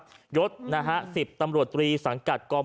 และยืนยันเหมือนกันว่าจะดำเนินคดีอย่างถึงที่สุดนะครับ